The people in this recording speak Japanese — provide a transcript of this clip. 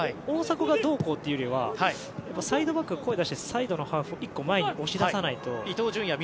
大迫がどうこうというよりはサイドバックが声を出してサイドを前に１個押し出さないと。